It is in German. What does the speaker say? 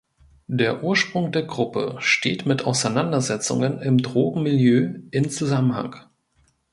Der Ursprung der Gruppe steht mit Auseinandersetzungen im Drogenmilieu in Zusammenhang.